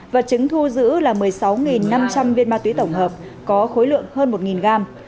vật chứng thu giữ là một mươi sáu năm trăm linh viên ma túy tổng hợp có khối lượng hơn một gram